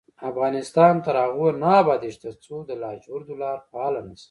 افغانستان تر هغو نه ابادیږي، ترڅو د لاجوردو لار فعاله نشي.